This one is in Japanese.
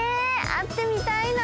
あってみたいな！